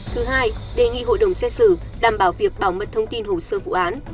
thứ hai đề nghị hội đồng xét xử đảm bảo việc bảo mật thông tin hồ sơ vụ án